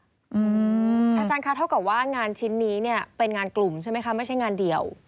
อาจารย์คะเท่ากับว่างานชิ้นนี้เนี่ยเป็นงานกลุ่มใช่ไหมคะไม่ใช่งานเดียว